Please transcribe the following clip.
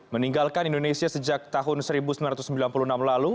meninggalkan indonesia sejak tahun seribu sembilan ratus sembilan puluh enam lalu